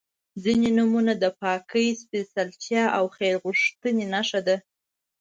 • ځینې نومونه د پاکۍ، سپېڅلتیا او خیر غوښتنې نښه ده.